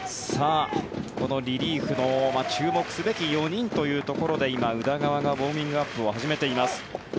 このリリーフの注目すべき４人というところで今、宇田川がウォーミングアップを始めています。